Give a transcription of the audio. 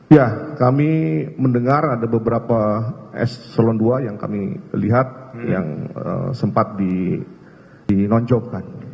ya kami mendengar ada beberapa eselon dua yang kami lihat yang sempat di non job kan